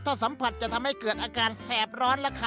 ถ้าสัมผัสจะทำให้เกิดอาการแสบร้อนราคา